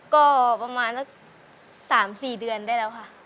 ก็ประมาณสัก๓๔เดือนได้แล้วค่ะ